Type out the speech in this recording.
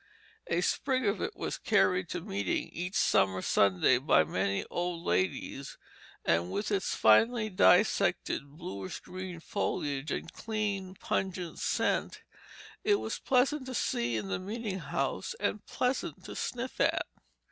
A sprig of it was carried to meeting each summer Sunday by many old ladies, and with its finely dissected, bluish green foliage, and clean pungent scent, it was pleasant to see in the meeting house, and pleasant to sniff at.